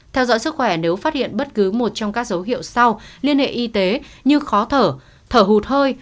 theo dõi sức khỏe nếu phát hiện bất cứ một trong các dấu hiệu sau liên hệ y tế như khó thở thở hụt hơi